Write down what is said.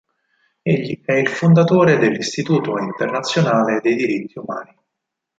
Egli è il fondatore dell'Istituto internazionale dei diritti umani.